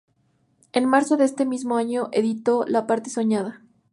En marzo de ese mismo año editó "La parte soñada".